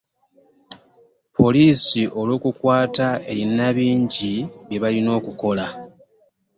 Poliisi olukukwaata erina bingi byebalina okukola.